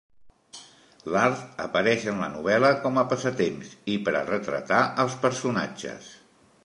L'art apareix en la novel·la com a passatemps i per a retratar els personatges.